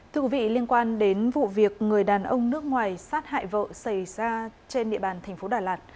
thưa quý vị liên quan đến vụ việc người đàn ông nước ngoài sát hại vợ xảy ra trên địa bàn thành phố đà lạt